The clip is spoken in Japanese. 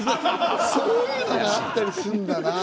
そういうのがあったりするんだなあ。